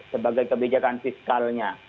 sebagai kebijakan fiskalnya